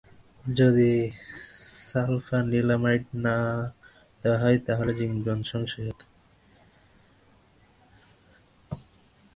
যদি সালফানিলামাইড না দেওয়া হয়, তাহলে জীবন সংশয় হতে পারে।